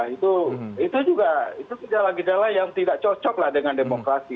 itu juga gejala gejala yang tidak cocok lah dengan demokrasi